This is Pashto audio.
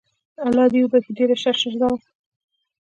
الله دي وبخښي ډیره شه ښځه وو